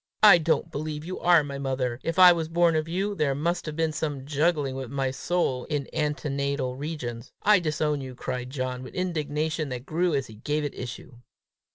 I don't believe you are my mother. If I was born of you, there must have been some juggling with my soul in antenatal regions! I disown you!" cried John with indignation that grew as he gave it issue.